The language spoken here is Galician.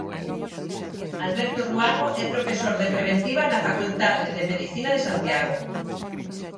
Alberto Ruano é profesor de Preventiva na Facultade de Medicina de Santiago.